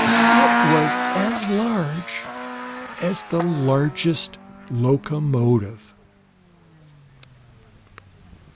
IT WAS AS LARGE AS THE LARGEST LOCOMOTIVE.